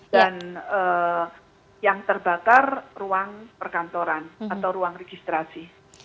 dan yang terbakar ruang perkantoran atau ruang registrasi